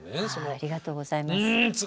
ありがとうございます。